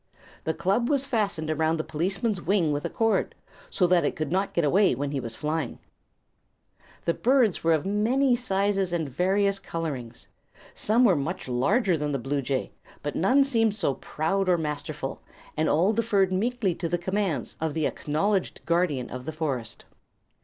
The club was fastened around the policeman's wing with a cord, so that it could not get away when he was flying. The birds were of many sizes and of various colorings. Some were much larger than the bluejay, but none seemed so proud or masterful, and all deferred meekly to the commands of the acknowledged guardian of the forest.